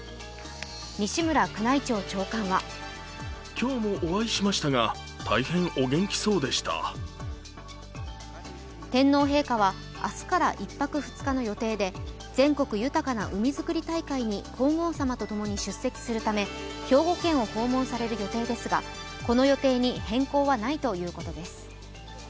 西村宮内庁長官は天皇陛下は明日から１泊２日の予定で全国豊かな海づくり大会に皇后さまとともに出席するため兵庫県を訪問される予定ですが、この予定に変更はないということです。